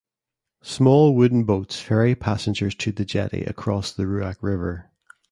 Small wooden boats ferry passengers to the jetty across the Ruak River.